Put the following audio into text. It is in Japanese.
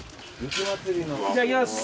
いただきます。